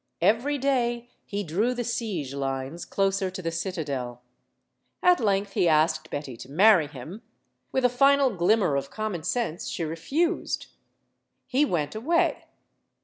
Every day he drew the siege lines closer to the citadel. At length he asked Betty to marry him. With a final glimmer of common sense, she refused. He went away.